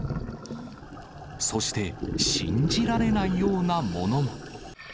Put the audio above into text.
そして、信じられないようなものも。